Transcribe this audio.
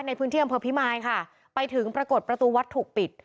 ในพื้นที่อำเภอพิมายค่ะไปถึงปรากฏประตูวัดถูกปิด